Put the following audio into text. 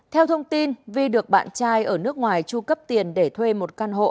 theo thông tin vi được bạn trai ở nước ngoài tru cấp tiền để thuê một căn hộ